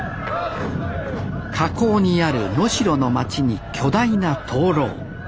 河口にある能代の町に巨大な灯籠。